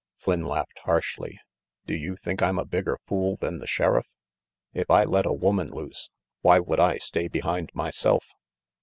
Flynn laughed harshly. "Do you think I'm a bigger fool than the Sheriff? If I let a woman loose, why would I stay behind myself?"